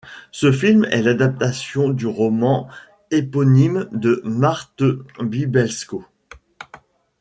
Ce film est l'adaptation du roman éponyme de Marthe Bibesco.